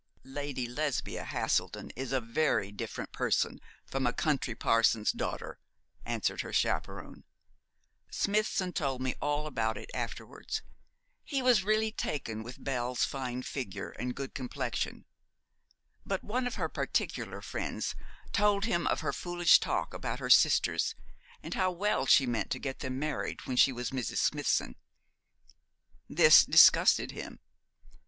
'Lady Lesbia Haselden is a very different person from a country parson's daughter,' answered her chaperon; 'Smithson told me all about it afterwards. He was really taken with Belle's fine figure and good complexion; but one of her particular friends told him of her foolish talk about her sisters, and how well she meant to get them married when she was Mrs. Smithson. This disgusted him.